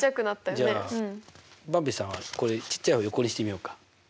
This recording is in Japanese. じゃあばんびさんはこれちっちゃい方を横にしてみようか。